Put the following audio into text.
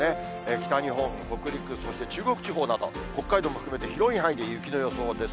北日本、北陸、そして中国地方など、北海道も含めて広い範囲で雪の予想です。